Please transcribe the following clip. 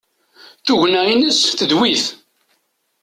Tugna-ines tedwi-t.